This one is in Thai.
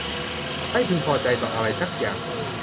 ไม่พึงพอใจต่ออะไรสักอย่าง